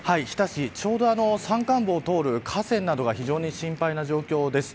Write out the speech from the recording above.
ちょうど山間部を通る河川などが心配な状況です。